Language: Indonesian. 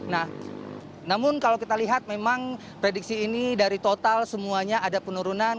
nah namun kalau kita lihat memang prediksi ini dari total semuanya ada penurunan